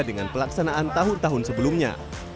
dengan pelaksanaan tahun tahun sebelumnya